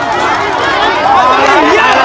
สวัสดีครับ